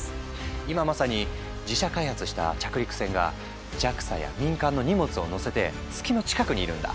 今まさに自社開発した着陸船がＪＡＸＡや民間の荷物を載せて月の近くにいるんだ。